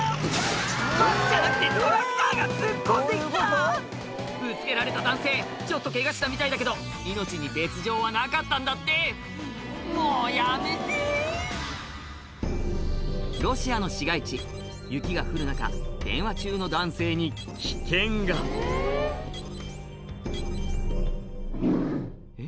バスじゃなくてトラクターが突っ込んで来たぶつけられた男性ちょっとケガしたみたいだけど命に別条はなかったんだってもうやめてロシアの市街地雪が降る中電話中の男性に危険がえっ？